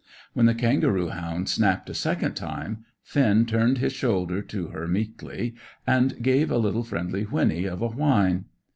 When the kangaroo hound snapped a second time, Finn turned his shoulder to her meekly and gave a little friendly whinny of a whine.